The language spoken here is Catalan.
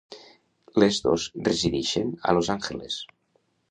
Les dos residixen a Los Angeles.